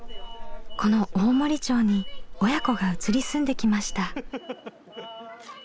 この大森町に親子が移り住んできました。